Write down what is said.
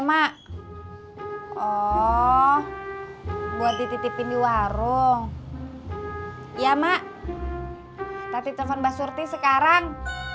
mak oh buat dititipin di warung ya mak tapi telepon mbak surti sekarang